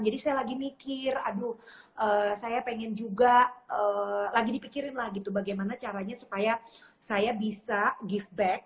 jadi saya lagi mikir aduh saya pengen juga lagi dipikirin lah gitu bagaimana caranya supaya saya bisa give back